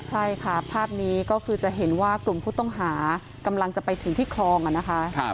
ใช่ค่ะภาพนี้ก็คือจะเห็นว่ากลุ่มผู้ต้องหากำลังจะไปถึงที่คลองนะคะ